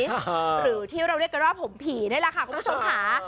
หรือที่เราเรียกกันว่าผมผีนี่แหละค่ะคุณผู้ชมค่ะ